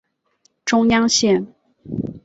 中央线